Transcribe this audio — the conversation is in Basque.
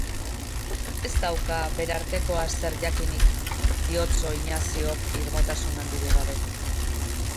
Ez dauka gure artekoaz zer jakinik, diotso Inaziok irmotasun handirik gabe.